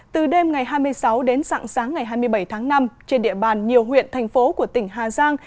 từ đêm ngày hai mươi sáu đến sáng sáng ngày hai mươi bảy tháng năm trên địa bàn nhiều huyện thành phố của tỉnh hà giang